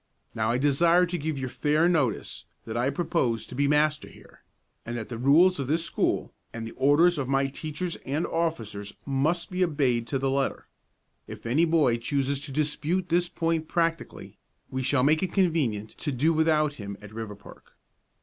Now I desire to give you fair notice that I propose to be master here, and that the rules of this school, and the orders of my teachers and officers, must be obeyed to the letter. If any boy chooses to dispute this point practically, we shall make it convenient to do without him at Riverpark.